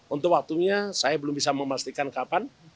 untuk waktunya saya belum bisa memastikan kapan